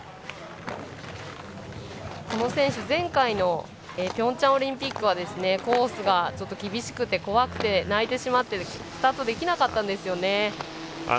この選手前回のピョンチャンオリンピックコースが厳しくて、怖くて泣いてしまってスタートできなかったんですね。